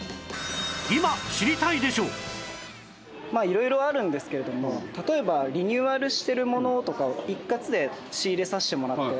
色々あるんですけれども例えばリニューアルしているものとかを一括で仕入れさせてもらって。